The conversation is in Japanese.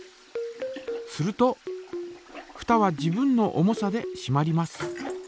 するとふたは自分の重さでしまります。